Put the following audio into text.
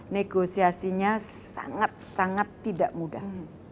negosiasinya sangat sangat tidak mudah